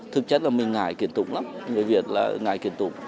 thực chất là mình ngại kiện tụng lắm người việt là ngại kiện tụng